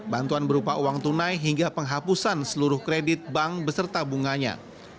bantuan berupa uang tunai hingga penghapusan seluruh kredit bank beserta bunganya